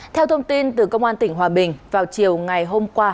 theo thông tin từ công an tỉnh hòa bình vào chiều ngày hôm qua